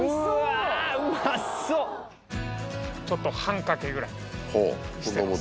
うわちょっと半かけぐらいしてます